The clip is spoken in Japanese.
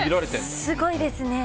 すごいですね。